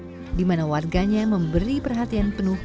di desa bautasik di mana warganya memberi perhatian penuh pendidikan